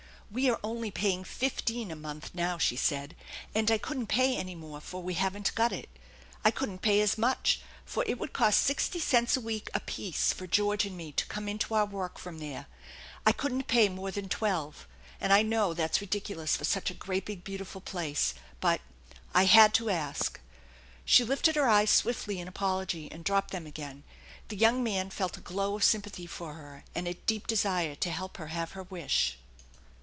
" We are only paying fifteen a month now," she said ;" and I couldn't pay any more, for we haven't got it. I couldn't pay as much, for it would cost sixty cents a week apiece for George and me to come in to our work from there. I couldn't pay more than twelve ! and I know that's ridiculous for such a great big, beautiful place, but I had to ask." She lifted her eyes swiftly in apology, and dropped them again; the young man felt a glow of sympathy for her, and a deep desire to help her have her wish.